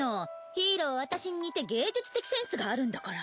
ヒイロは私に似て芸術的センスがあるんだから！